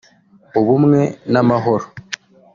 ubumwe n’amahoro